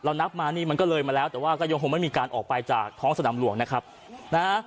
นับมานี่มันก็เลยมาแล้วแต่ว่าก็ยังคงไม่มีการออกไปจากท้องสนามหลวงนะครับนะฮะ